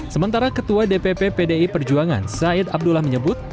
sementara ketua dpp pdi perjuangan said abdullah menyebut